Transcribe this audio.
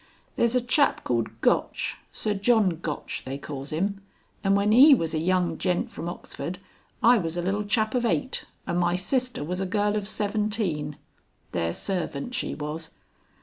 There's a chap called Gotch, Sir John Gotch they calls 'im, and when 'e was a young gent from Oxford, I was a little chap of eight and my sister was a girl of seventeen. Their servant she was.